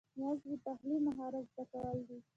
یوازې د پخلي مهارت زده کول دي